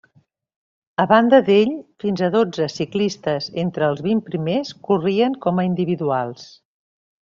A banda d'ell, fins a dotze ciclistes entre els vint primers corrien com a individuals.